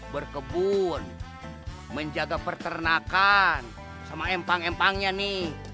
berkebun menjaga perternakan sama empang empangnya nih